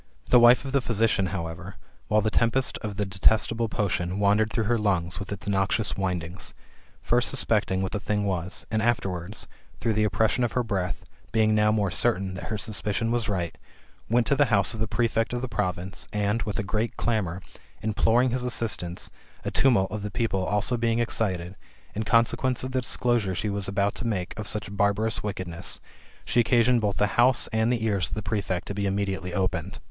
The wife of the physician, however, while the tempest of the detestable potion wandered through her lungs with its noxious windings, fir>t suspecting what the thing was, and afterwards, through the oppression of her breath, being now more certain [that her suspicion was right], went to the house of the prefect of the province, and, with a great clamour, imploring his assistance, a tumult of the people also being excited, in consequence of the disclosure she was about to make of such barbarous wickedness, she occasioned both the house and the ears of the prefect to be immediately opened.